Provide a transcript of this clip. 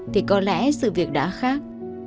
thì có lẽ sự việc đã khác